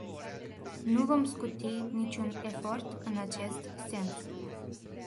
Nu vom scuti niciun efort în acest sens.